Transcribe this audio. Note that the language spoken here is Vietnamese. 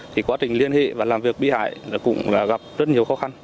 thì quá trình liên hệ và làm việc bị hại cũng gặp rất nhiều khó khăn